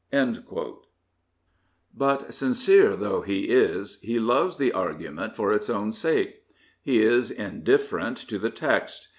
'* But sincere though he is, he loves the argument for its own sake. He is indifferent to the text.